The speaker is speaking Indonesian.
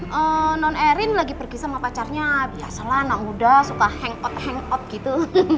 kalo non erin lagi pergi sama pacarnya biasalah anak muda suka hangout hangout gitu